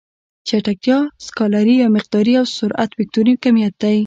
چټکتیا سکالري يا مقداري او سرعت وکتوري کميت دی.